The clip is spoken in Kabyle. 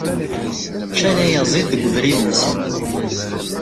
Ččan ayaziḍ deg ubrid-nsen.